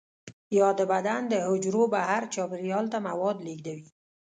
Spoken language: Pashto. یا د بدن د حجرو بهر چاپیریال ته مواد لیږدوي.